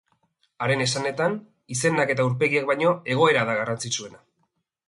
Haren esanetan, izenak eta aurpegiak baino, egoera da garrantzitsuena.